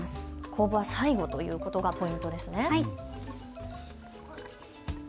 酵母は最後ということがポイントですね。